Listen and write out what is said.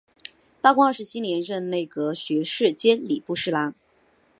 道光二十七年任内阁学士兼礼部侍郎。